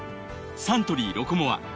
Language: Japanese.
サントリー「ロコモア」